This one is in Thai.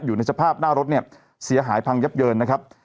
อยู่ในสภาพหน้ารถเนี่ยเสียหายพังยับเยินนะครับ